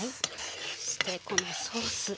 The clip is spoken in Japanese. そしてこのソース。